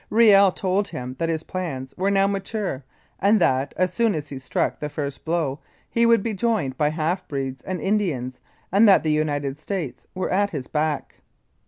Riel told him that his plans were now mature, and that, as soon as he struck the first blow he would be joined by half breeds and Indians, and that the United States were at his back.